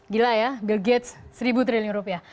gila ya bill gates seribu triliun rupiah